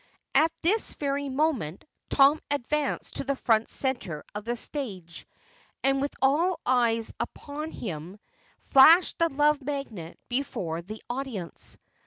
At this very moment, Tom advanced to the front center of the stage and with all eyes upon him, flashed the Love Magnet before the audience.